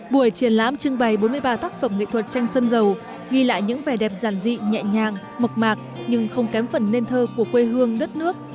buổi triển lãm trưng bày bốn mươi ba tác phẩm nghệ thuật tranh sân dầu ghi lại những vẻ đẹp giản dị nhẹ nhàng mộc mạc nhưng không kém phần nền thơ của quê hương đất nước